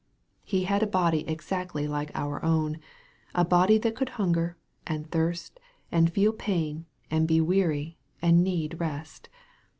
He had a body exactly like our own a body that could hunger, and thirst, and feel pain, and be weary, and need rest.